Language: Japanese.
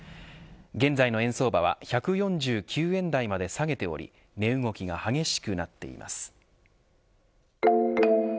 現在の円相場は１４９円台まで下げており値動きが激しくなっています。